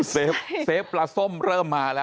เซฟปลาส้มเริ่มมาละ